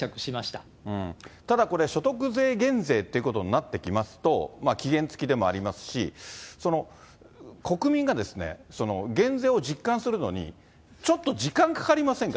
ただこれ、所得税減税っていうことになってきますと、期限付きでもありますし、国民がですね、減税を実感するのに、ちょっと時間がかかりませんか？